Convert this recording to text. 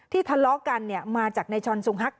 ที่ทะเลาะกันเนี่ยมาจากนายชอนสุงฮักษ์